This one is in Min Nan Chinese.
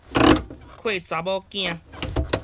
契查某囝